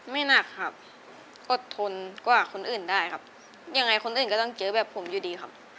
หนักครับอดทนกว่าคนอื่นได้ครับยังไงคนอื่นก็ต้องเจอแบบผมอยู่ดีครับ